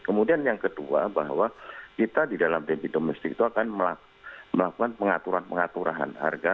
kemudian yang kedua bahwa kita di dalam debit domestik itu akan melakukan pengaturan pengaturan harga